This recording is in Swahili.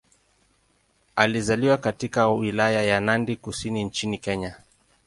Alizaliwa katika Wilaya ya Nandi Kusini nchini Kenya.